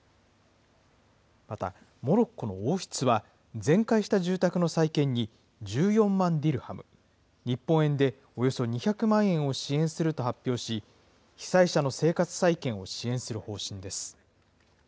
またモロッコの王室は、全壊した住宅の再建に１４万ディルハム、日本円でおよそ２００万円を支援すると発表し、被災者の生活再建を支援する方針です。